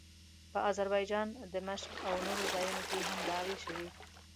په اذربایجان، دمشق او نورو ځایونو کې هم دعوې شوې.